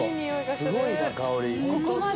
すごいな香り。